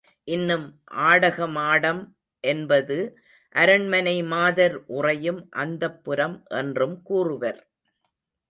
இன்னும் ஆடகமாடம் என்பது அரண்மனை மாதர் உறையும் அந்தப்புரம் என்றும் கூறுவர்.